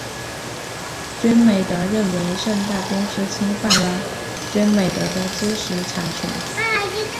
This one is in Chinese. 娱美德认为盛大公司侵犯了娱美德的知识产权。